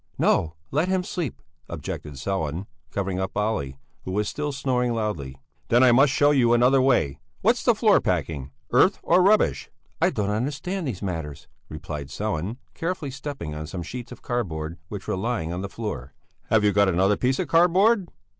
"No, let him sleep," objected Sellén, covering up Olle, who was still snoring loudly. "Then I must show you another way. What's the floor packing? Earth or rubbish?" "I don't understand these matters," replied Sellén, carefully stepping on some sheets of cardboard which were lying on the floor. "Have you got another piece of cardboard?"